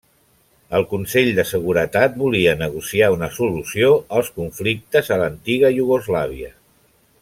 El Consell de Seguretat volia negociar una solució als conflictes a l'antiga Iugoslàvia.